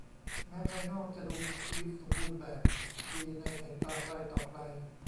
แม้ภายนอกจะดูชีวิตสมบูรณ์แบบดีในสายตาใครต่อใคร